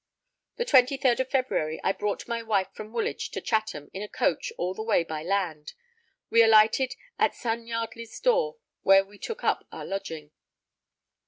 The 23rd of February I brought my wife from Woolwich to Chatham in a coach all the way by land; we alighted at son Yardley's door where we took up our lodging.